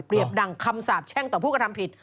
เปรียบดังคำสาปแช่งต่อผู้กระทำผิด